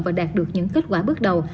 và đạt được những kết quả bước đầu